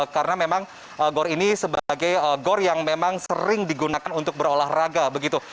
karena memang gor ini sebagai gor yang memang sering digunakan untuk berolahraga begitu